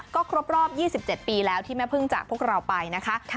ก็ครบรอบ๒๗ปีแล้วที่แม่พึ่งจากพวกเราไปนะคะ